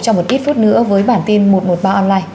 trong một ít phút nữa với bản tin một trăm một mươi ba online